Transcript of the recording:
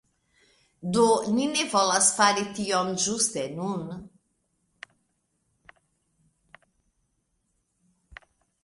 Do, ni ne volas fari tion ĝuste nun